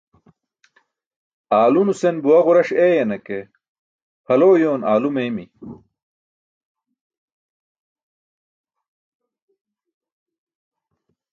Aalo nusen buwa ġuras eeyana ke phalo uyoon alo meeymi.